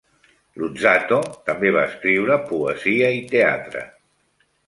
Luzzatto també va escriure poesia i teatre.